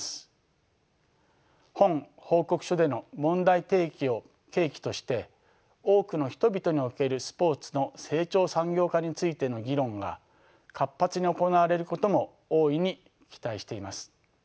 本報告書での問題提起を契機として多くの人々におけるスポーツの成長産業化についての議論が活発に行われることも大いに期待しています。